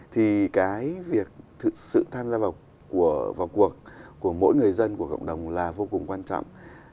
thì cái việc sự tham gia vào cuộc của mỗi người dân của cộng đồng là vô cùng quan trọng